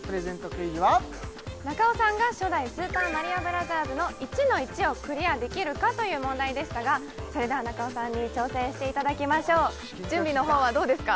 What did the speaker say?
クイズは中尾さんが初代スーパーマリオブラザーズの１−１をクリアできるかという問題でしたがそれでは中尾さんに挑戦していただきましょう緊張してきた準備のほうはどうですか？